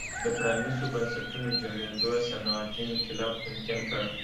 د پرانیستو بنسټونو جوړېدو صنعتي انقلاب ممکن کړ.